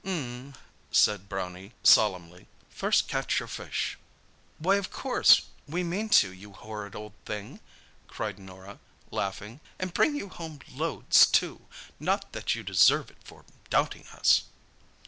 "'M," said Brownie solemnly. "First catch your fish!" "Why, of course, we mean to, you horrid old thing!" cried Norah, laughing; "and bring you home loads, too—not that you deserve it for doubting us!"